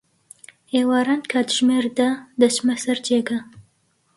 ئێواران، کاتژمێر دە دەچمە سەر جێگا.